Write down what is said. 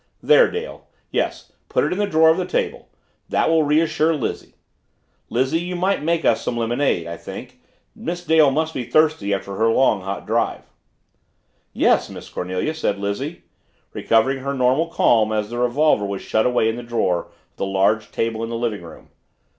"There, Dale yes, put it in the drawer of the table that will reassure Lizzie. Lizzie, you might make us some lemonade, I think Miss Dale must be thirsty after her long, hot ride." "Yes, Miss Cornelia," said Lizzie, recovering her normal calm as the revolver was shut away in the drawer of the large table in the living room.